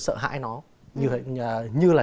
sợ hãi nó như là